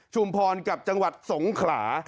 พรกับจังหวัดสงขลา